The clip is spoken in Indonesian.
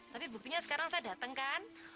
tapi buktinya sekarang saya datang kan